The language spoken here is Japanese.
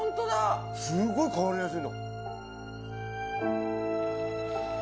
すごい変わりやすい。